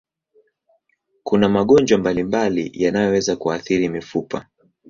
Kuna magonjwa mbalimbali yanayoweza kuathiri mifupa.